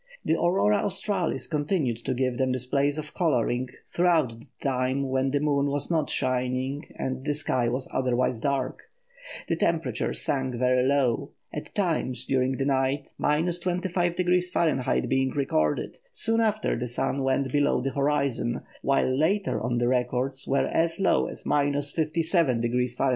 The Aurora Australis continued to give them displays of colouring throughout the time when the moon was not shining and the sky was otherwise dark. The temperature sank very low, at times, during the night, 25° Fahr. being recorded, soon after the sun went below the horizon, while later on the records were as low as 57° Fahr.